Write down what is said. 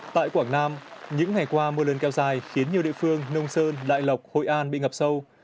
tại quảng nam những ngày qua mưa lớn kéo dài khiến nhiều địa phương nông sơn đại lộc hội an bị ngập sâu